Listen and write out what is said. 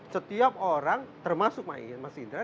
setiap orang termasuk mas hidra